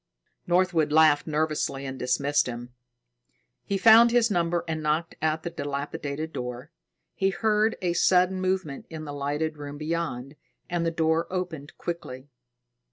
Northwood laughed nervously and dismissed him. He found his number and knocked at the dilapidated door. He heard a sudden movement in the lighted room beyond, and the door opened quickly.